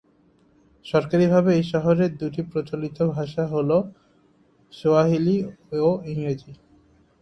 সরকারিভাবে এই শহরের দু'টি প্রচলিত ভাষা হল সোয়াহিলি ও ইংরেজি।